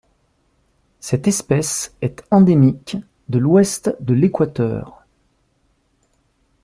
Cette espèce est endémique de l'Ouest de l'Équateur.